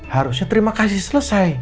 harusnya terima kasih selesai